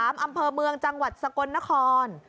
อำเภอเมืองจังหวัดสกลนคร